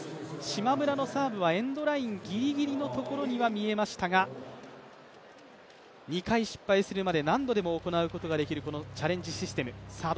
島村のサーブはエンドラインギリギリのところには見えましたが、２回、失敗するまで何度でも行うことができるチャレンジシステム。